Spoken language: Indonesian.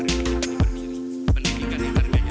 rejeki berdiri pendidikan yang tergaya